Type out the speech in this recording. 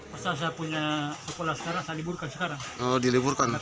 pasal saya punya sekolah sekarang saya liburkan sekarang